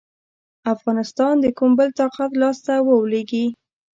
افغانستان د کوم بل طاقت لاسته ولوېږي.